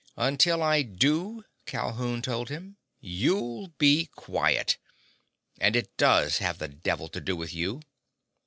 "Until I do," Calhoun told him, "you'll be quiet. And it does have the devil to do with you.